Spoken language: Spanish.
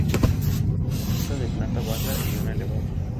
Consta de planta baja y una elevada.